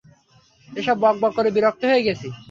এসব বকবক করে বিরক্ত হয়ে গেছি।